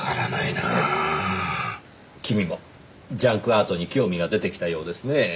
君もジャンクアートに興味が出てきたようですねぇ。